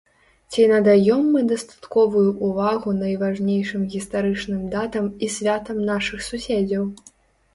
Ці надаём мы дастатковую ўвагу найважнейшым гістарычным датам і святам нашых суседзяў?